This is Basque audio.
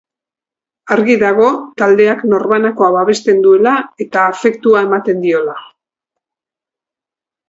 Argi dago taldeak norbanakoa babesten duela eta afektua ematen diola.